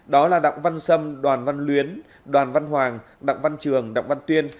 đó là đặng văn sâm đoàn văn luyến đoàn văn hoàng đặng văn trường đặng văn tuyên